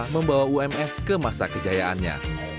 membawa ums ke masa kejayaannya